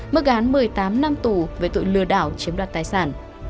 mức án một mươi tám năm tù về tội lừa đảo chiếm đoạt tài sản